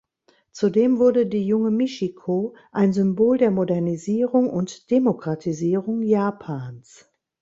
Zudem wurde die junge Michiko ein Symbol der Modernisierung und Demokratisierung Japans.